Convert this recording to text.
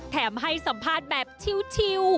แถมให้สัมภาษณ์แบบทิว